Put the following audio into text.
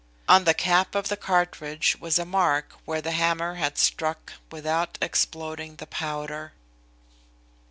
On the cap of the cartridge was a mark where the hammer had struck without exploding the powder.